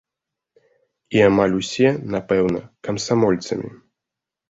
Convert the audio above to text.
І амаль усе, напэўна, камсамольцамі.